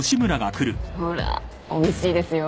ほらおいしいですよ。